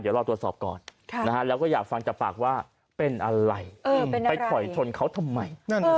เดี๋ยวรอตรวจสอบก่อนแล้วก็อยากฟังจากปากว่าเป็นอะไรไปถอยชนเขาทำไม